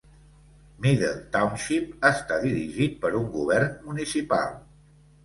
Middle Township està dirigit per un govern municipal.